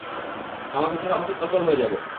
আমাকে ছাড়া অফিস অচল হয়ে যাবে।